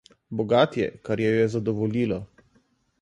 Bogat je, kar jo je zadovoljilo.